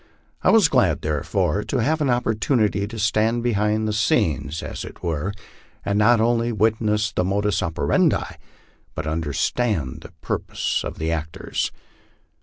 I was glad, therefore, to have an opportunity to stand behind the scenes, as it were, and not only wit ness the modus operandi, but understand the purpose of the actors.